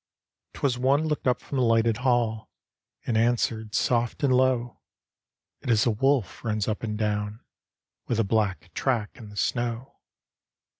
'Twas one looked up from the lifted hall. And answered soft and low, " It is a wolf runs up and down. With a black track in the snow."